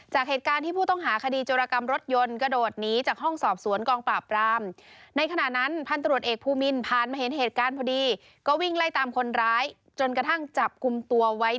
จากเหตุการณ์ที่ผู้ต้องหาคดีจรกรรมรถยนต์